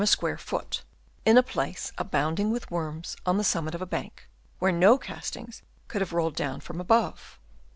square foot, in a place abounding witli worms, on the summit of a bank, where no castings could have rolled down from above.